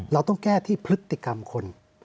เราต้องแก้ที่พฤติกรรมคน